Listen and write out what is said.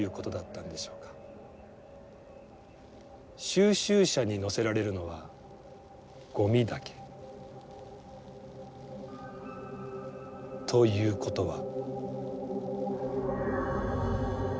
収集車に乗せられるのはゴミだけ。ということは。